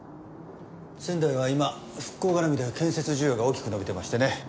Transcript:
仙台は今復興絡みで建設需要が大きく伸びてましてね。